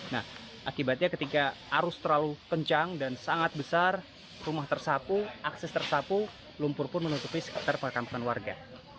nah akibatnya ketika arus terlalu kencang dan sangat besar rumah tersapu akses tersapu lumpur pun menutupi sekitar perkampungan warga